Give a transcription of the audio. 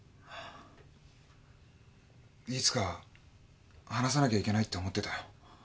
いつか話さなきゃいけないって思ってたよ。